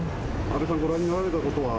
安倍さん、ご覧になられたことは。